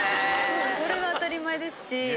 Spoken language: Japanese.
それが当たり前ですし。